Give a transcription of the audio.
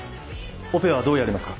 オペはどうやりますか？